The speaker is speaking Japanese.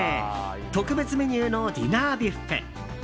特別メニューのディナービュッフェ。